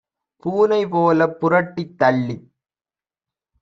பூனை போலப் புரட்டித் தள்ளிப்